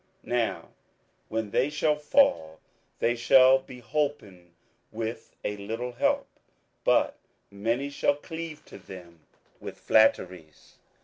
27:011:034 Now when they shall fall, they shall be holpen with a little help: but many shall cleave to them with flatteries.